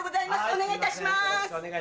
お願いいたします。